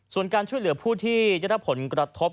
ส่วนการช่วยเหลือผู้ที่ได้รับผลกระทบ